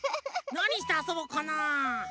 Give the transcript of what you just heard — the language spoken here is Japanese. なにしてあそぼっかなあ？